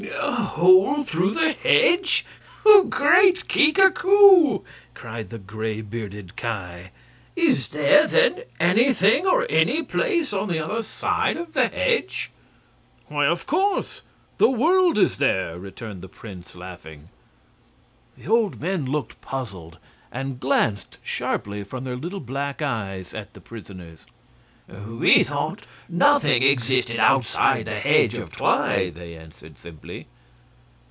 "A hole through the hedge! Great Kika koo!" cried the gray bearded Ki; "is there, then, anything or any place on the other side of the hedge?" "Why, of course! The world is there," returned the prince, laughing. The old men looked puzzled, and glanced sharply from their little black eyes at their prisoners. "We thought nothing existed outside the hedge of Twi," they answered, simply.